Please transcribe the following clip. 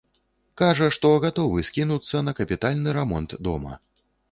Кажа, што гатовы скінуцца на капітальны рамонт дома.